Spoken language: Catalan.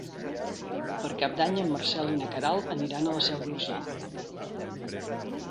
Per Cap d'Any en Marcel i na Queralt aniran a la Seu d'Urgell.